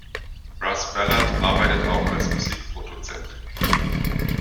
Russ Ballard arbeitet auch als Musikproduzent.